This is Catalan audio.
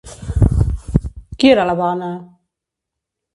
Qui era la dona?